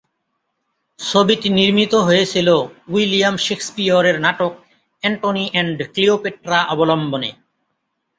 ছবিটি নির্মিত হয়েছিল উইলিয়াম শেকসপিয়রের নাটক "অ্যান্টনি অ্যান্ড ক্লিওপেট্রা" অবলম্বনে।